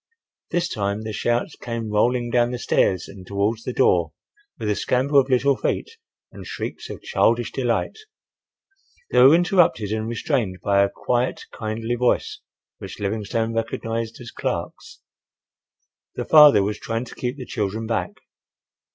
This time the shouts came rolling down the stairs and towards the door, with a scamper of little feet and shrieks of childish delight. They were interrupted and restrained by a quiet, kindly voice which Livingstone recognized as Clark's. The father was trying to keep the children back.